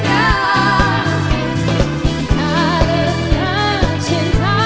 adalah cinta doakan cinta kasih dunia